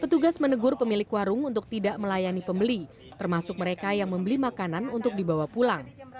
petugas menegur pemilik warung untuk tidak melayani pembeli termasuk mereka yang membeli makanan untuk dibawa pulang